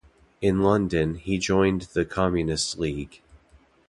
In London, he joined the Communist League.